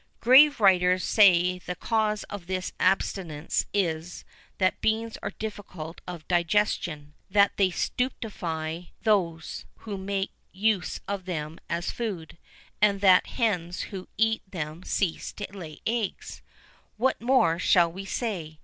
Grave writers say the cause of this abstinence is, that beans are difficult of digestion; that they stupify those who make use of them as food; and that hens who eat them cease to lay eggs.[VIII 5] What more shall we say?